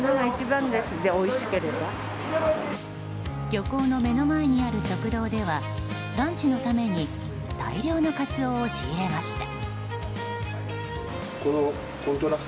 漁港の目の前にある食堂ではランチのために大量のカツオを仕入れました。